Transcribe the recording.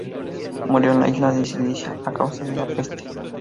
Murió en la isla de Sicilia a causa de la peste.